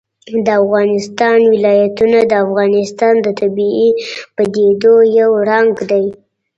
د افغانستان ولايتونه د افغانستان د طبیعي پدیدو یو رنګ دی.